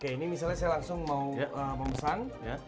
oke ini misalnya saya langsung mau memesan